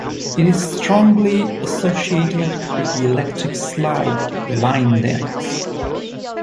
It is strongly associated with the "Electric Slide" line dance.